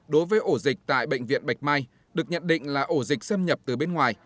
đối với ổ dịch tại bệnh viện bạch mai được nhận định là ổ dịch xâm nhập từ bên ngoài